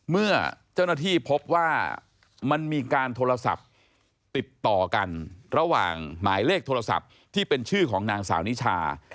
เมื่อเจ้าหน้าที่พบว่ามันมีการโทรศัพท์ติดต่อกันระหว่างหมายเลขโทรศัพท์ที่เป็นชื่อของนางสาวนิชา